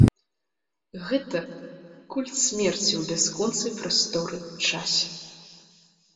Гэта культ смерці ў бясконцай прасторы-часе.